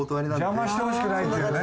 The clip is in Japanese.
邪魔してほしくないっていうね。